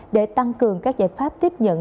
để tăng cường các giải pháp tiếp nhận